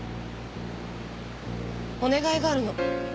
お願いがあるの。